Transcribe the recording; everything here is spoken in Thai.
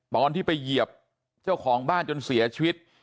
ตอนที่ไปเหยียบเจ้าของบ้านจนเสียชีวิต